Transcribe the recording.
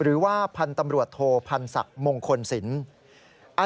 หรือว่าพันธุ์ตำรวจโทพันธ์ศักดิ์มงคลศิลป์